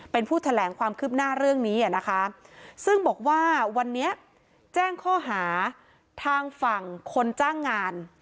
เป็นผู้แถลงความคืบหน้าเรื่องนี้นะคะซึ่งบอกว่าวันนี้แจ้งข้อหาทางฝั่งคนจ้างงาน